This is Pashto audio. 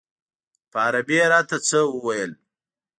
په عربي یې راته څه وویل.